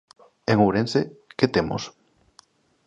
En Ourense, ¿que temos?